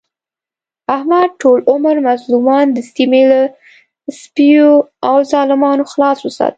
احمد ټول عمر مظلومان د سیمې له سپیو او ظالمانو څخه وساتل.